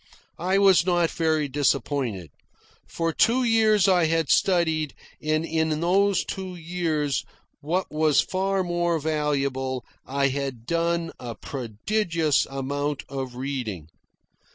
I was not very disappointed. For two years I had studied, and in those two years, what was far more valuable, I had done a prodigious amount of reading.